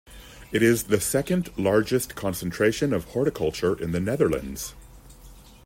It is the second largest concentration of horticulture in the Netherlands.